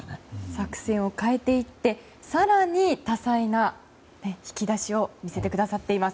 作戦を変えていって更に多彩な引き出しを見せてくださっています。